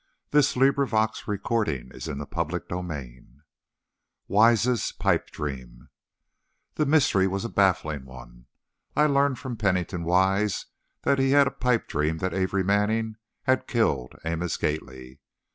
I fairly shouted, "it never did!" CHAPTER XV Wise's Pipe Dream The mystery was a baffling one. I learned from Pennington Wise that he had a pipe dream that Amory Manning had killed Amos Gately.